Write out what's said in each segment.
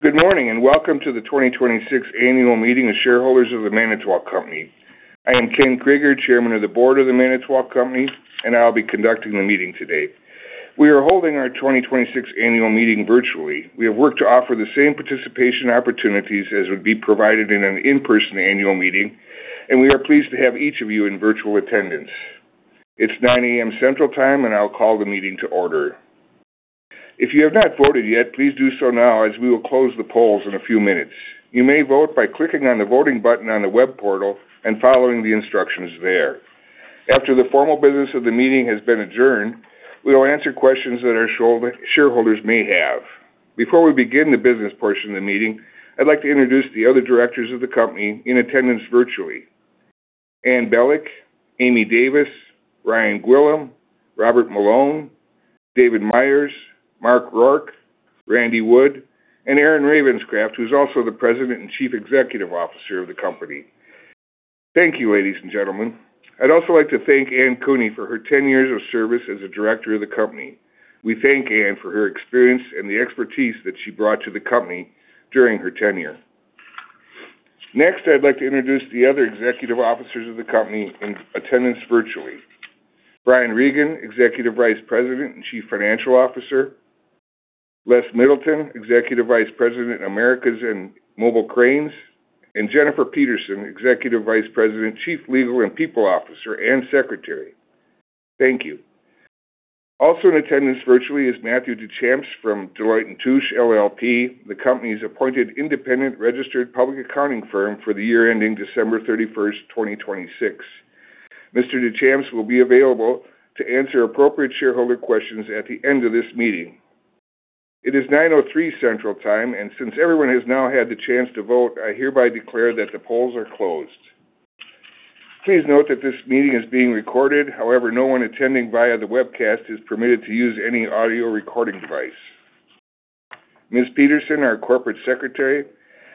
Good morning, welcome to the 2026 annual meeting of shareholders of the Manitowoc Company. I am Ken Krueger, chairman of the board of the Manitowoc Company, and I'll be conducting the meeting today. We are holding our 2026 annual meeting virtually. We have worked to offer the same participation opportunities as would be provided in an in-person annual meeting, and we are pleased to have each of you in virtual attendance. It's 9:00 A.M. Central Time, and I'll call the meeting to order. If you have not voted yet, please do so now, as we will close the polls in a few minutes. You may vote by clicking on the voting button on the web portal and following the instructions there. After the formal business of the meeting has been adjourned, we will answer questions that our shareholders may have. Before we begin the business portion of the meeting, I'd like to introduce the other directors of the company in attendance virtually. Anne Bélec, Amy Davis, Ryan Gwillim, Robert Malone, David Myers, Mark Rourke, Randy Wood, and Aaron Ravenscroft, who's also the President and Chief Executive Officer of the company. Thank you, ladies and gentlemen. I'd also like to thank Anne M.Cooney for her 10 years of service as a director of the company. We thank Anne for her experience and the expertise that she brought to the company during her tenure. Next, I'd like to introduce the other Executive Officers of the company in attendance virtually. Brian Regan, Executive Vice President and Chief Financial Officer. Les Middleton, Executive Vice President, Americas and Mobile Cranes, and Jennifer Peterson, Executive Vice President, Chief Legal and People Officer and Secretary. Thank you. Also in attendance virtually is Matt DeChamps from Deloitte & Touche LLP, the company's appointed independent registered public accounting firm for the year ending December 31st, 2026. Mr. DeChamps will be available to answer appropriate shareholder questions at the end of this meeting. It is 9:03 A.M. Central Time, since everyone has now had the chance to vote, I hereby declare that the polls are closed. Please note that this meeting is being recorded. However, no one attending via the webcast is permitted to use any audio recording device. Ms. Peterson, our Corporate Secretary,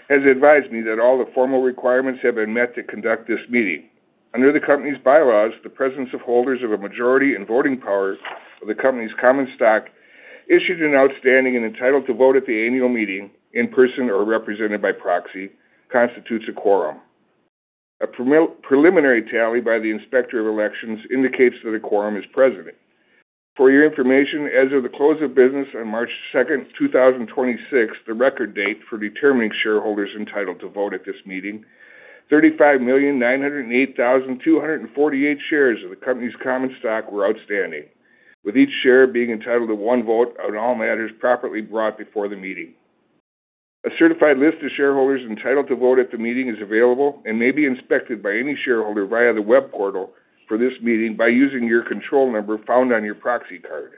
has advised me that all the formal requirements have been met to conduct this meeting. Under the company's bylaws, the presence of holders of a majority in voting powers of the company's common stock issued and outstanding and entitled to vote at the annual meeting, in person or represented by proxy, constitutes a quorum. A preliminary tally by the Inspector of Elections indicates that a quorum is present. For your information, as of the close of business on March 2, 2026, the record date for determining shareholders entitled to vote at this meeting, 35,908,248 shares of the company's common stock were outstanding, with each share being entitled to one vote on all matters properly brought before the meeting. A certified list of shareholders entitled to vote at the meeting is available and may be inspected by any shareholder via the web portal for this meeting by using your control number found on your proxy card.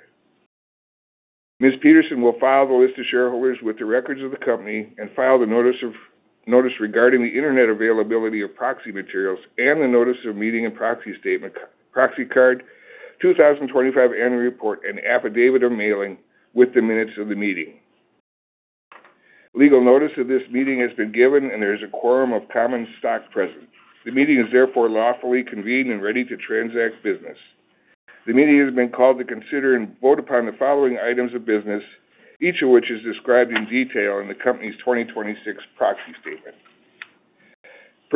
Ms. Peterson will file the list of shareholders with the records of the company and file the notice regarding the internet availability of proxy materials and the notice of meeting and proxy statement, proxy card, 2025 annual report, and affidavit of mailing with the minutes of the meeting. Legal notice of this meeting has been given, and there is a quorum of common stock present. The meeting is therefore lawfully convened and ready to transact business. The meeting has been called to consider and vote upon the following items of business, each of which is described in detail in the company's 2026 proxy statement.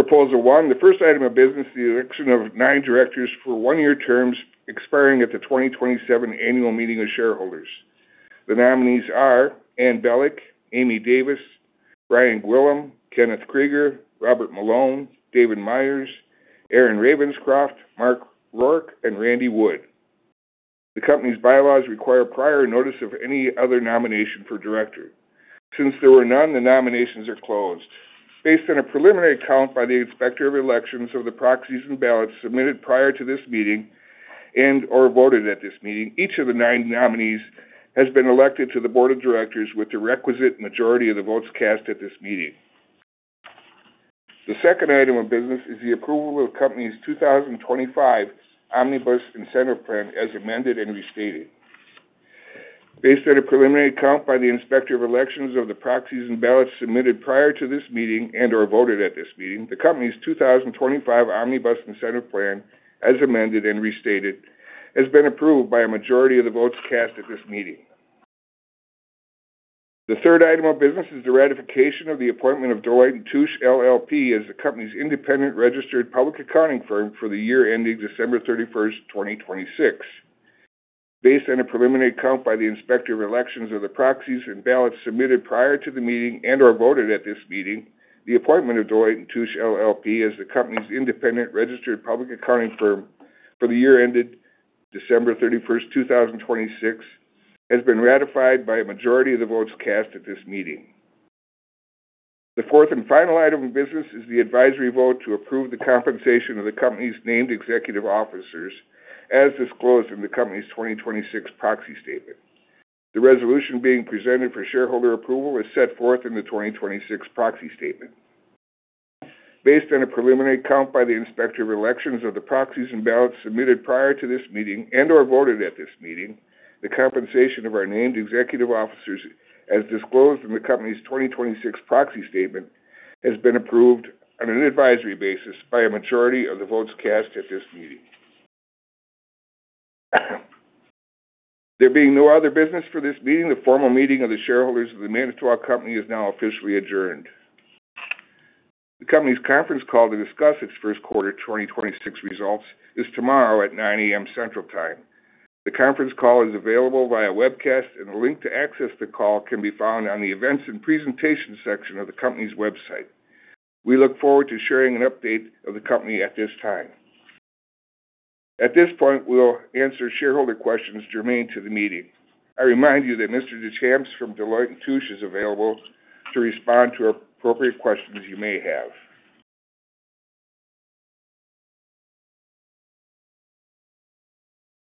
Proposal 1, the first item of business is the election of nine directors for one-year terms expiring at the 2027 annual meeting of shareholders. The nominees are Anne Bélec, Amy Davis, Ryan Gwillim, Kenneth Krueger, Robert Malone, David Myers, Aaron Ravenscroft, Mark Rourke, and Randy Wood. The Company's bylaws require prior notice of any other nomination for director. Since there were none, the nominations are closed. Based on a preliminary count by the Inspector of Elections of the proxies and ballots submitted prior to this meeting and or voted at this meeting, each of the nine nominees has been elected to the board of directors with the requisite majority of the votes cast at this meeting. The second item of business is the approval of Company's 2025 Omnibus Incentive Plan as amended and restated. Based on a preliminary count by the Inspector of Elections of the proxies and ballots submitted prior to this meeting and or voted at this meeting, the company's 2025 Omnibus Incentive Plan, as amended and restated, has been approved by a majority of the votes cast at this meeting. The third item of business is the ratification of the appointment of Deloitte & Touche LLP as the company's independent registered public accounting firm for the year ending December 31st, 2026. Based on a preliminary count by the Inspector of Elections of the proxies and ballots submitted prior to the meeting and or voted at this meeting, the appointment of Deloitte & Touche LLP as the company's independent registered public accounting firm for the year ended December 31st, 2026, has been ratified by a majority of the votes cast at this meeting. The fourth and final item of business is the advisory vote to approve the compensation of the company's named executive officers as disclosed in the company's 2026 proxy statement. The resolution being presented for shareholder approval is set forth in the 2026 proxy statement. Based on a preliminary count by the Inspector of Elections of the proxies and ballots submitted prior to this meeting and or voted at this meeting, the compensation of our named executive officers, as disclosed in the company's 2026 proxy statement, has been approved on an advisory basis by a majority of the votes cast at this meeting. There being no other business for this meeting, the formal meeting of the shareholders of The Manitowoc Company is now officially adjourned. The company's conference call to discuss its first quarter 2026 results is tomorrow at 9:00 A.M. Central Time. The conference call is available via webcast, and a link to access the call can be found on the Events and Presentation section of the company's website. We look forward to sharing an update of the company at this time. At this point, we will answer shareholder questions germane to the meeting. I remind you that Mr. DeChamps from Deloitte & Touche is available to respond to appropriate questions you may have.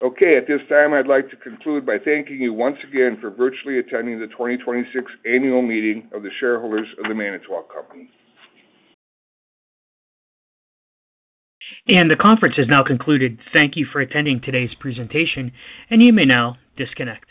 Okay. At this time, I'd like to conclude by thanking you once again for virtually attending the 2026 annual meeting of the shareholders of The Manitowoc Company. The conference has now concluded. Thank you for attending today's presentation, and you may now disconnect.